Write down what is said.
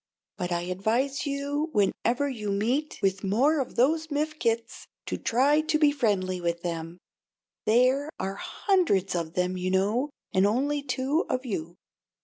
But I advise you, whenever you meet with more of those Mifkets, to try to be friendly with them. There are hundreds of them, you know, and only two of you."